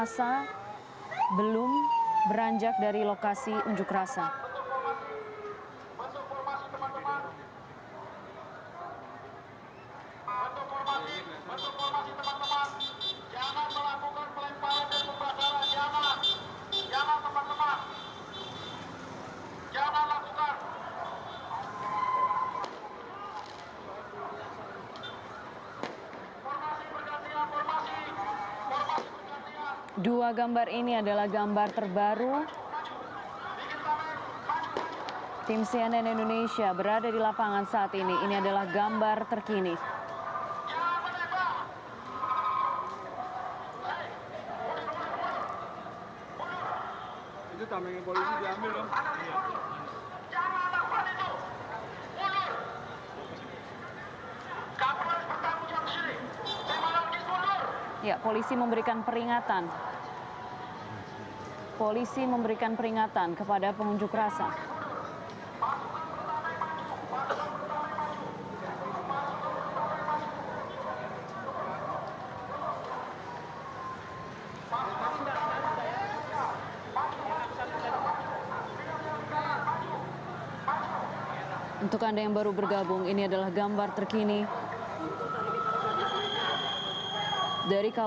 sejak kemarin kita berada di sisi pengunjuk rasa yang baru saja terjadi